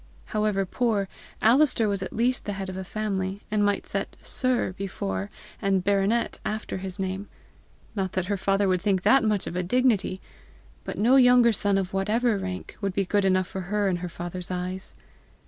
However poor, Alister was at least the head of a family, and might set SIR before, and BARONET after his name not that her father would think that much of a dignity! but no younger son of whatever rank, would be good enough for her in her father's eyes!